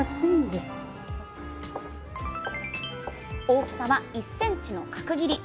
大きさは１ｃｍの角切り。